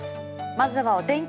まずはお天気